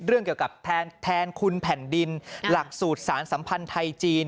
เรื่องเกี่ยวกับแทนคุณแผ่นดินหลักสูตรสารสัมพันธ์ไทยจีน